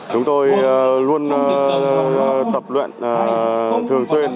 chúng tôi luôn tập luyện thường xuyên